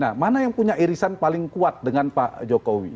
nah mana yang punya irisan paling kuat dengan pak jokowi